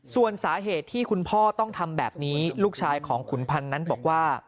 ส่วนสาเหตุที่คุณพ่อต้องทำแบบนี้ลูกชายของขุนพันธ์นั้นบอกว่า